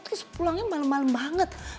terus pulangnya malem malem banget